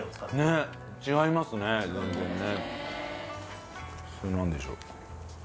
ねっ違いますね全然ね。